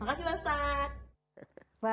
makasih pak ustadz